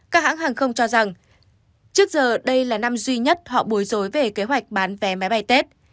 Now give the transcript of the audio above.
các hãng hàng không cho rằng trước giờ đây là năm duy nhất họ bối rối về kế hoạch bán vé máy bay tết